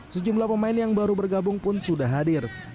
sejumlah pemain yang baru bergabung pun sudah hadir